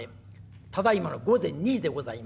ただいまの午前２時でございます。